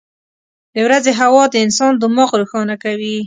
• د ورځې هوا د انسان دماغ روښانه کوي.